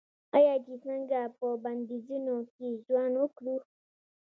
آیا چې څنګه په بندیزونو کې ژوند وکړو؟